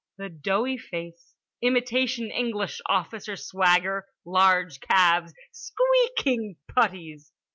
The doughy face. Imitation English officer swagger. Large calves, squeaking puttees.